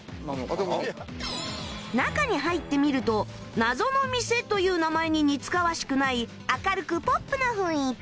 中に入ってみると謎の店という名前に似つかわしくない明るくポップな雰囲気